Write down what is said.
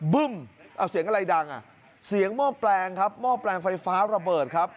บึ้มเอาเสียงอะไรดังอ่ะเสียงหม้อแปลงครับหม้อแปลงไฟฟ้าระเบิดครับ